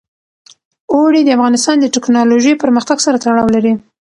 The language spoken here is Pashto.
اوړي د افغانستان د تکنالوژۍ پرمختګ سره تړاو لري.